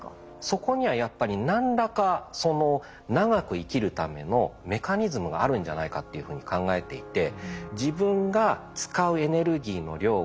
そこにはやっぱり何らか長く生きるためのメカニズムがあるんじゃないかっていうふうに考えていて。